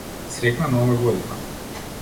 Среќна нова година.